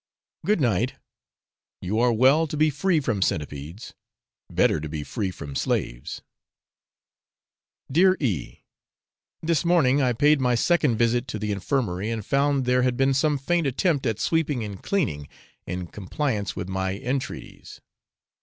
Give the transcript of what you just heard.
Good night; you are well to be free from centipedes better to be free from slaves. Dear E . This morning I paid my second visit to the infirmary, and found there had been some faint attempt at sweeping and cleaning, in compliance with my entreaties.